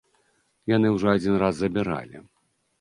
Яны ўжо адзін раз забіралі.